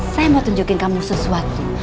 saya mau tunjukin kamu sesuatu